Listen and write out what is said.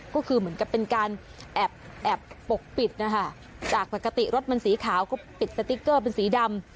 ก็คือเหมือนกับเป็นการแอบปกปิดนะคะจากปกติรถมันสีขาวก็ปิดสติ๊กเกอร์เป็นสีดำ